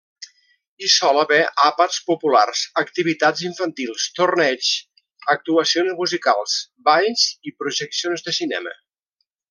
Hi sol haver àpats populars, activitats infantils, torneigs, actuacions musicals, balls i projeccions de cinema.